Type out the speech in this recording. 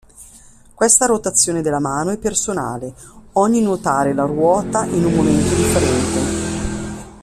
Questa rotazione della mano è personale, ogni nuotare la ruota in un momento differente.